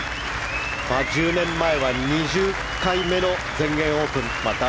１０年前は２０回目の全英オープン。